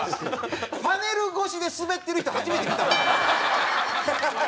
パネル越しでスベってる人初めて見たな。